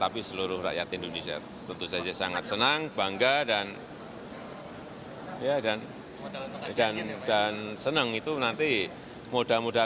persiapan ada sih